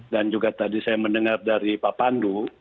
dan juga tadi saya mendengar dari pak pandu